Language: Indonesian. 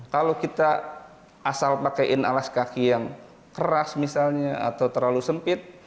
kalau kita asal pakaiin alas kaki yang keras misalnya atau terlalu sempit